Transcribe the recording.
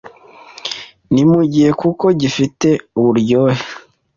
Ni mu gihe kuko gifite uburyohe